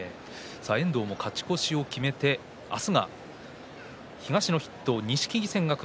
遠藤も勝ち越しを決めて明日は東の筆頭、錦木戦です。